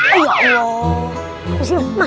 apa sih lu